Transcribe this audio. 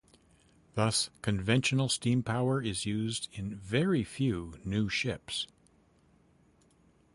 Thus, conventional steam power is used in very few new ships.